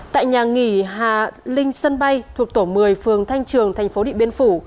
tại nhà nghỉ hà linh sân bay thuộc tổ một mươi phường thanh trường thành phố điện biên phủ